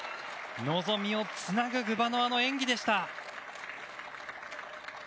望みをつなぐグバノワの演技でした。